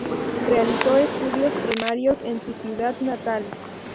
Realizó estudios primarios en su ciudad natal.